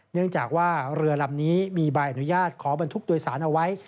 เนื่องจากว่าเรือลำนี้มีใบอนุญาตขอบรรทุกโดยสารเอาไว้